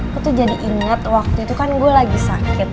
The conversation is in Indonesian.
aku tuh jadi ingat waktu itu kan gue lagi sakit